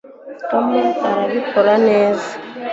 tom arabikora neza